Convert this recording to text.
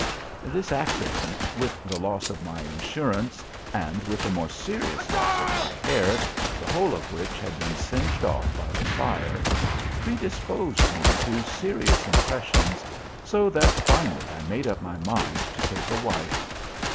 This accident, with the loss of my insurance, and with the more serious loss of my hair, the whole of which had been singed off by the fire, predisposed me to serious impressions, so that finally I made up my mind to take a wife.